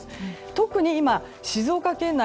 特に今、静岡県内